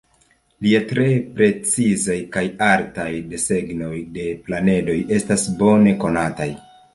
Lia tre precizaj kaj artaj desegnoj de planedoj estas bone konataj.